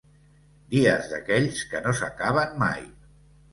Dies d'aquells que no s'acaben mai.